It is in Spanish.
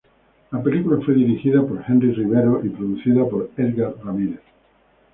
La película fue dirigida por Henry Rivero y producida por Edgar Ramírez.